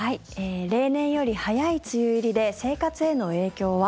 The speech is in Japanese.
例年より早い梅雨入りで生活への影響は？